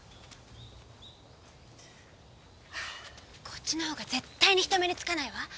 こっちの方が絶対に人目につかないわ。